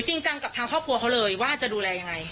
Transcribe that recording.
จริงจังกับทางครอบครัวเขาเลยว่าจะดูแลยังไง